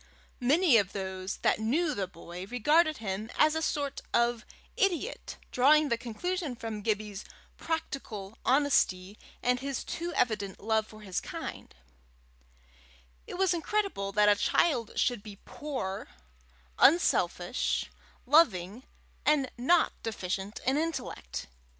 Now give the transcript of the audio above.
Many of those that knew the boy, regarded him as a sort of idiot, drawing the conclusion from Gibbie's practical honesty and his too evident love for his kind: it was incredible that a child should be poor, unselfish, loving, and not deficient in intellect!